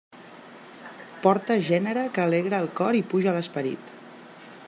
Porta gènere que alegra el cor i puja l'esperit.